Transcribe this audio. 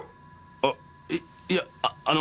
あえいやあの。